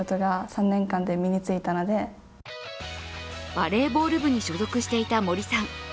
バレーボール部に所属していた森さん。